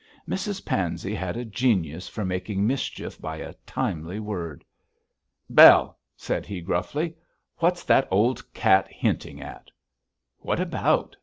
Mrs Pansey had a genius for making mischief by a timely word. 'Bell,' said he, gruffly, 'what's that old cat hinting at?' 'What about?'